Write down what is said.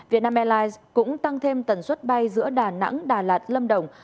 vietnam airlines cũng tăng thêm tần suất bay giữa đà nẵng đà lạt lâm đồng